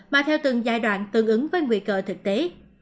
đối với các thành phố tương ứng với nguy cơ thực tế